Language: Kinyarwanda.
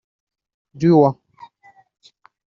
Liuwa